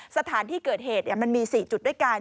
สถานที่เกิดเหตุมันมี๔จุดด้วยกัน